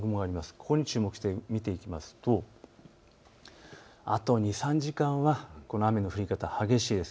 ここに注目して見ていきますとあと２、３時間はこの雨の降り方が激しいです。